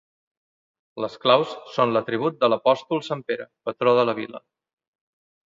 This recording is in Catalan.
Les claus són l'atribut de l'apòstol sant Pere, patró de la vila.